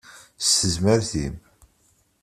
S tezmert-im.